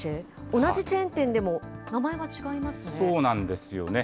同じチェーン店でも、名前が違いそうなんですよね。